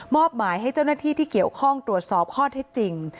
หมายให้เจ้าหน้าที่ที่เกี่ยวข้องตรวจสอบข้อเท็จจริง